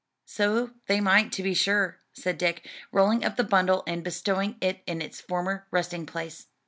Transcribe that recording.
"So they might, to be sure," said Dick, rolling up the bundle and bestowing it in its former resting place.